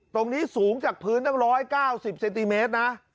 ตรงนี้สูงจากพื้นตั้ง๑๙๐เซนติเมตรนะ